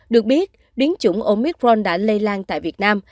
được biết biến chủng omitforn đã lây lan tại việt nam